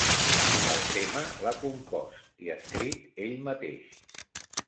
El tema l'ha compost i escrit ell mateix.